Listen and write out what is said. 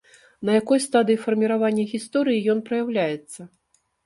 На якой стадыі фарміравання гісторыі ён праяўляецца?